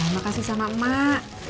makasih sama mak